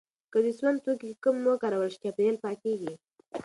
که د سون توکي کم وکارول شي، چاپیریال پاکېږي.